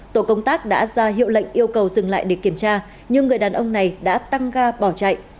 tổ công tác đã ra hiệu lệnh yêu cầu dừng lại để kiểm tra nhưng người đàn ông này đã tăng ga bỏ chạy